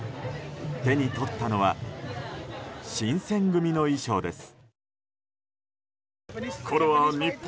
手に取ったのは新選組の衣装です。